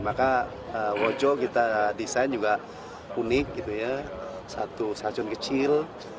maka wojo kita desain juga unik gitu ya satu saljun kecil